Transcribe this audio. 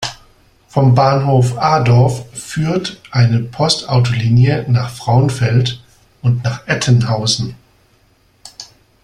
Vom Bahnhof Aadorf führt eine Postautolinie nach Frauenfeld und nach Ettenhausen.